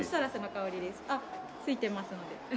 あっついてますので。